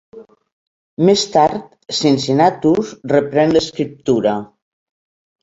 Més tard, Cincinnatus reprèn l'escriptura.